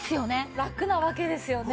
ラクなわけですよね。